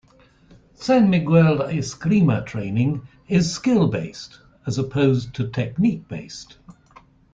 San Miguel Eskrima training is skill based, as opposed to technique based.